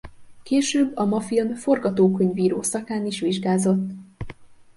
Később a Mafilm forgatókönyvíró szakán is vizsgázott.